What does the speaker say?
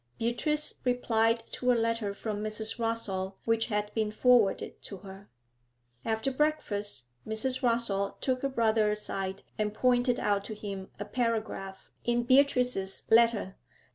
Beatrice replied to a letter from Mrs. Rossall which had been forwarded to her. After breakfast, Mrs. Rossall took her brother aside, and pointed out to him a paragraph in Beatrice's letter.